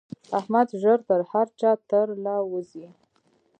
احمد ژر تر هر چا تر له وزي.